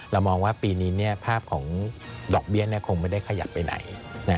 เรามองว่าปีนี้ภาพของดอกเบี้ยคงไม่ได้ขยับไปไหน